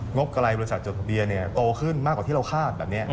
งบกระไรบริษัทจดประเบียนโตขึ้นมากกว่าที่เราคาด